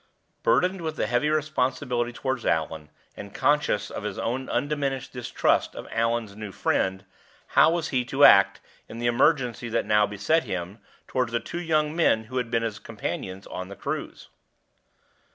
Burdened with his heavy responsibility toward Allan, and conscious of his own undiminished distrust of Allan's new friend, how was he to act, in the emergency that now beset him, toward the two young men who had been his companions on the cruise?